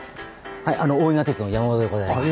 大井川鉄道の山本でございます。